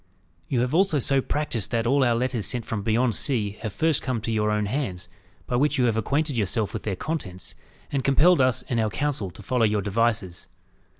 You have also so practised that all our letters sent from beyond sea have first come to your own hands, by which you have acquainted yourself with their contents, and compelled us and our council to follow your devices.